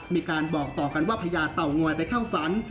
มีการบอกต่อกันว่าพญาเต่างอยไปเข้าฝัน